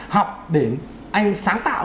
học để anh sáng tạo